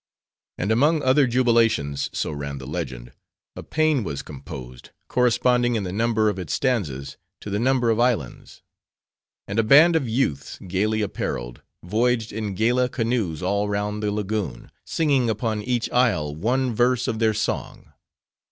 And among other jubilations, so ran the legend, a pean was composed, corresponding in the number of its stanzas, to the number of islands. And a band of youths, gayly appareled, voyaged in gala canoes all round the lagoon, singing upon each isle, one verse of their song.